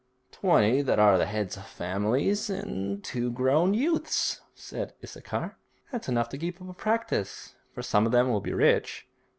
'Twenty that are heads of families, and two grown youths,' said Issachar. 'That's enough to keep up a service, for some of them will be rich?'